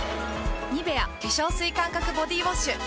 「ニベア」化粧水感覚ボディウォッシュ誕生！